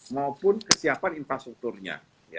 maupun kesiapan infrastrukturnya